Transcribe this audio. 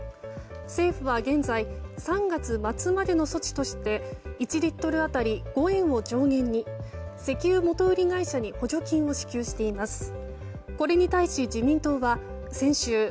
政府は現在３月末までの措置として１リットル当たり５円を上限に石油元売り会社に補助金を支給しています。